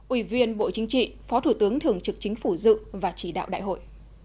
ủy viên bộ chính trị phó thủ tướng thường trực chính phủ dự và chỉ đạo đại hội